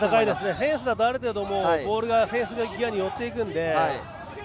フェンスだと、ある程度ボールがフェンス際に寄っていくので。